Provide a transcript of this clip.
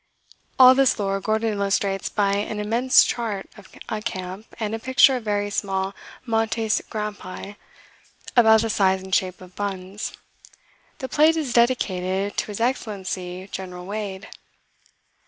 All this lore Gordon illustrates by an immense chart of a camp, and a picture of very small Montes Grampii, about the size and shape of buns. The plate is dedicated to his excellency General Wade.